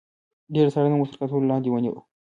ډېره څېړنه مو تر کتلو لاندې ونیوه.